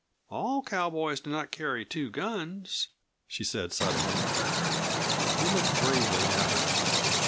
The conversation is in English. "All cowboys do not carry two guns," she said suddenly. He looked gravely at her.